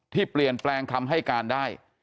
ที่เปลี่ยนแปลงคำให้การได้